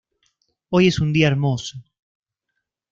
Hoy es un día hermoso".